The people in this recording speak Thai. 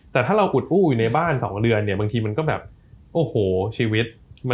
แต่ถ้าเรากุดอู้อยู่ในบ้าน๒เดือนเนี่ยบางทีมันก็แบบโอ้โหชีวิต